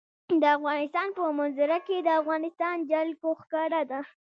د افغانستان په منظره کې د افغانستان جلکو ښکاره ده.